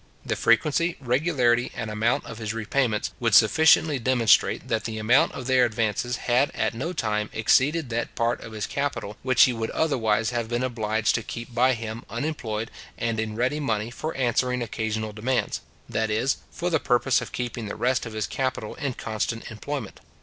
The frequency, regularity, and amount of his repayments, would sufficiently demonstrate that the amount of their advances had at no time exceeded that part of his capital which he would otherwise have been obliged to keep by him unemployed, and in ready money, for answering occasional demands; that is, for the purpose of keeping the rest of his capital in constant employment.